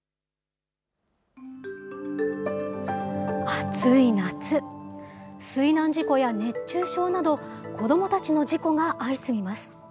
暑い夏、水難事故や熱中症など、子どもたちの事故が相次ぎます。